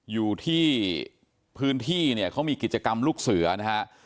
อยู่ที่พื้นที่เนี่ยเขามีกิจกรรมลูกเสือนะฮะ